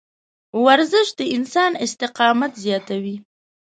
ورزش د انسان استقامت زیاتوي.